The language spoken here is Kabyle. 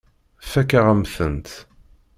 Fakeɣ-am-tent.